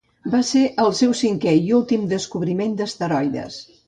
Va ser el seu cinquè i últim descobriment d'asteroides.